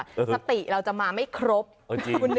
สติเราจะมาไม่ครบนึกออกไหม